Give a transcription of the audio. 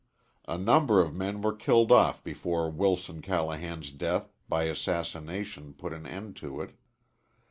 A number of men were killed off before Wilson Callahan's death by assassination put an end to it.